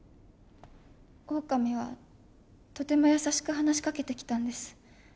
オオカミはとても優しく話しかけてきたんです。